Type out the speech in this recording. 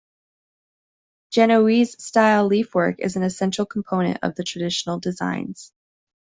Genoese-style leafwork is an essential component of the traditional designs.